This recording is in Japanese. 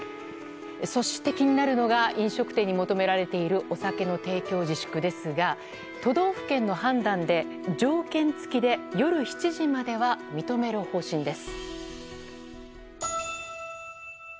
そして気になるのが飲食店に求められているお酒の提供自粛ですが都道府県の判断で条件付きで夜７時までは認める方針です。